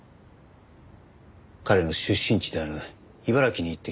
彼の出身地である茨城に行ってきました。